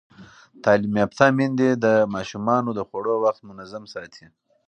تعلیم یافته میندې د ماشومانو د خوړو وخت منظم ساتي.